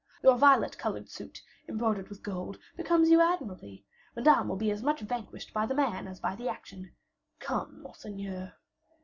Your violet colored suit, embroidered with gold, becomes you admirably. Madame will be as much vanquished by the man as by the action. Come, monseigneur."